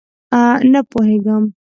_نه پوهېږم!